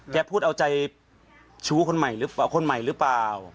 แกพูดเอาใจชู้คนใหม่หรือเปล่า